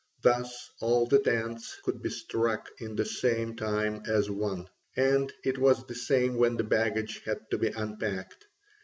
Thus all the tents could be struck in the same time as one. And it was the same when the baggage had to be unpacked.